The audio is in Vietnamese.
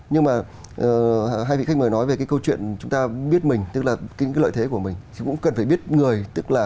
nhưng mà hai vị khách mời nói về cái câu chuyện chúng ta biết mình tức là những cái lợi thế của mình thì cũng cần phải biết người